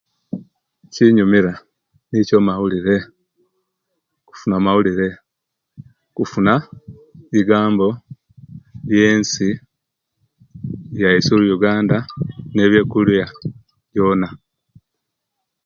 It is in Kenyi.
Ekinyumira nicho mawulire kufuna mawulire kufuna bigambo byeensi yaisu uganda nebyekulia byona